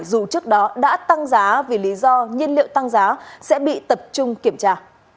dù trước đó đã tăng giá vì lý do nhiên liệu tăng giá sẽ bị tập trung kiểm tra